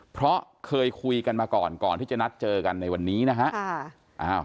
เพราะเคยคุยกันมาก่อนก่อนที่จะนัดเจอกันในวันนี้นะฮะ